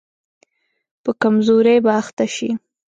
په کمزوري به اخته شي.